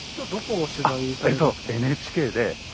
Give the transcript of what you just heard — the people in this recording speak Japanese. ＮＨＫで。